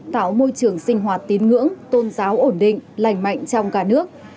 tạo môi trường sinh hoạt tín ngưỡng tôn giáo ổn định lành mạnh trong cả nước